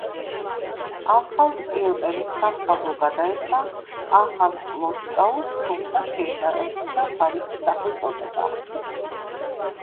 ანჰალტ-კიოტენის სამთავრო გადაეცა ანჰალტ-პლოცკაუს, თუმცა შეინარჩუნა თავისი სახელწოდება.